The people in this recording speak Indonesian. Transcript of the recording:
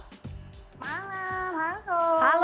selamat malam halo